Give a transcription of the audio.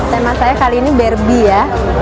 tema saya kali ini berby ya